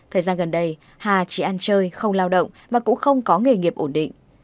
thời gian gần đây hà chỉ ăn chơi không lao động và cũng không có nghề nghiệp ổn định